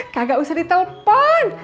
kagak usah ditelpon